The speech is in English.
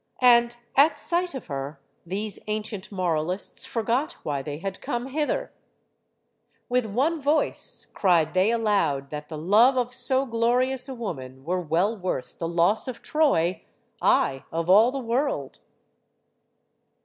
And, at sight of her, these ancient moralists forgot why they had come hither. With one voice, cried they aloud 80 STORIES OF THE SUPER WOMEN that the love of so glorious a woman were well worth the loss of Troy aye, of all the world.